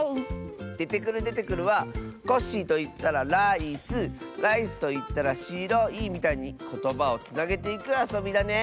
「デテクルデテクル」は「コッシーといったらライスライスといったらしろい」みたいにことばをつなげていくあそびだね！